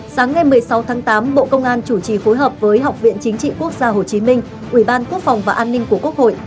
sáng ngày một mươi sáu tháng tám bộ công an chủ trì phối hợp với học viện chính trị quốc gia hồ chí minh ủy ban quốc phòng và an ninh của quốc hội